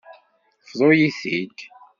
Bḍu-yi-t-id.